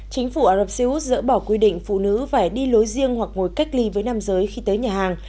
chính phủ ả rập xê út dỡ bỏ quy định phụ nữ phải đi lối riêng hoặc ngồi cách ly với nam giới khi tới nhà hàng